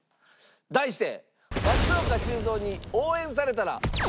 題して。